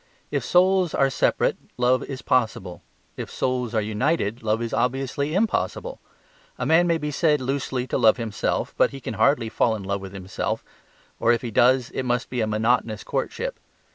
If souls are separate love is possible. If souls are united love is obviously impossible. A man may be said loosely to love himself, but he can hardly fall in love with himself, or, if he does, it must be a monotonous courtship.